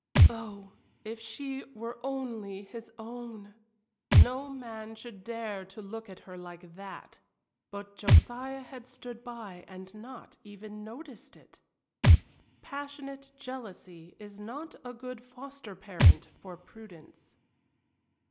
Oh, if she were only his own! No man should dare to look at her like that. But Josiah had stood by and not even noticed it. Passionate jealousy is not a good foster parent for prudence.